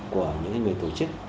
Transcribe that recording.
của những người tổ chức